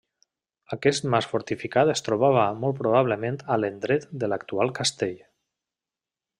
Aquest mas fortificat es trobava molt probablement a l'endret de l'actual castell.